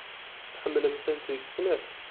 Tḥemmlem-tent deg snat.